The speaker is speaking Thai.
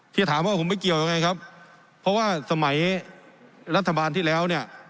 ที่ถามว่าผมไม่เกี่ยวยังไงครับเพราะว่าสมัยรัฐบาลที่แล้วเนี่ย